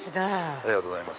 ありがとうございます。